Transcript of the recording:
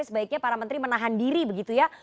sebaiknya para menteri menahan diri begitu ya